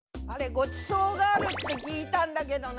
ごちそうがあるって聞いたんだけどな。